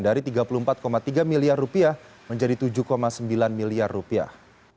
dari tiga puluh empat tiga miliar rupiah menjadi tujuh sembilan miliar rupiah